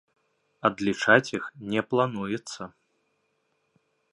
Адлічаць іх не плануецца.